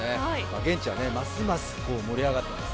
現地はますます盛り上がってます。